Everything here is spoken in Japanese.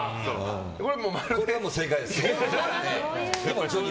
これは正解です。